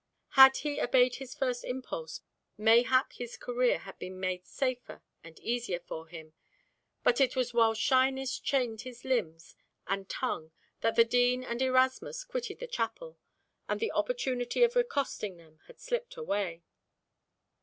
Had he obeyed his first impulse, mayhap his career had been made safer and easier for him, but it was while shyness chained his limbs and tongue that the Dean and Erasmus quitted the chapel, and the opportunity of accosting them had slipped away.